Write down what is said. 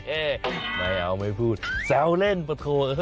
เอ๊ไม่เอาไม่พูดแซวเล่นปะโถ